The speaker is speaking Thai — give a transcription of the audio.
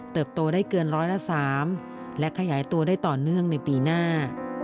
โตได้เกินร้อยละ๓และขยายตัวได้ต่อเนื่องในปีหน้า